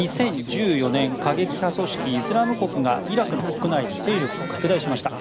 ２０１４年過激派組織イスラム国がイラクの国内で勢力を拡大しました。